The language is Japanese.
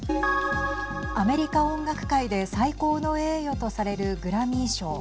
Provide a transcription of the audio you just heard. アメリカ音楽界で最高の栄誉とされるグラミー賞。